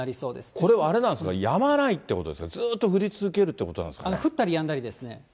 これはあれなんですか、やまないっていうことなんですか、ずっと降り続けるということなん降ったりやんだりですね。